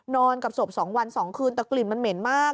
นอนกับศพ๒วัน๒คืนแต่กลิ่นมันเหม็นมาก